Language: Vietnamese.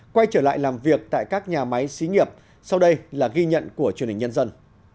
quay trở lại làm việc tại các nhà máy xí nghiệp sau đây là ghi nhận của truyền hình nhân dân